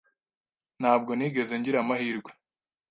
Ntabwo nigeze ngira amahirwe.